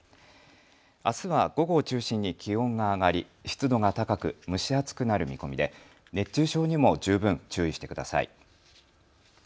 あすは午後を中心に気温が上がり湿度が高く蒸し暑くなる見込みで熱中症にも十分注意してください。